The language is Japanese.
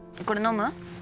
これ飲む？